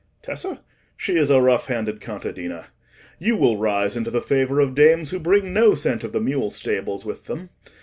"Tessa? she is a rough handed contadina: you will rise into the favour of dames who bring no scent of the mule stables with them.